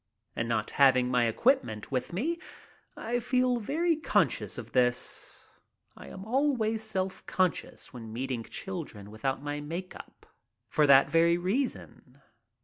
And not having my equipment with me, I feel very conscious of this. I am always self conscious when meeting children without my make up for that very reason.